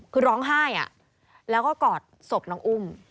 คือร้องไห้แล้วก็กอดศพน้องอุ้ม